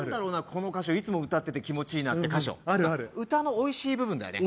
この箇所いつも歌ってて気持ちいいなって箇所歌のおいしい部分だよね